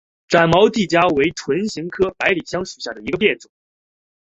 展毛地椒为唇形科百里香属下的一个变种。